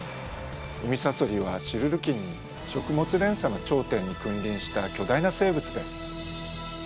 ウミサソリはシルル紀に食物連鎖の頂点に君臨した巨大な生物です。